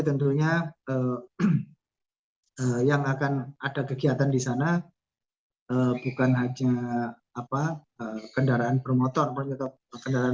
tentunya yang akan ada kegiatan di sana bukan hanya apa kendaraan bermotor tetap kendaraan